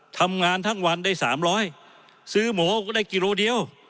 ทำงานทั้งวันได้๓๐๐ซื้อหมูก็ได้กิโลเดียว